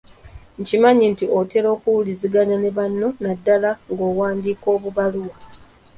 Nkimanyi nti otera okuwuliziganya ne banno naddala ng’owandiika obubaluwa?